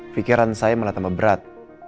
pikiran saya malah tambah berat